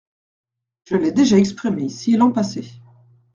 Je l'ai déjà exprimée ici l'an passé.